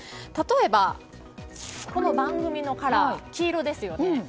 例えば、この番組のカラー黄色ですよね。